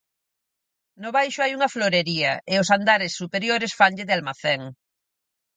No baixo hai unha florería e os andares superiores fanlle de almacén.